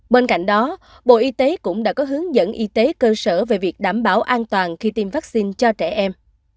bên cạnh đó bộ y tế cũng đã có hướng dẫn y tế cơ sở về việc đảm bảo an toàn khi tiêm vaccine cho trẻ em